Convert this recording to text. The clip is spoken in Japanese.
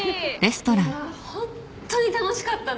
いやホンットに楽しかったね。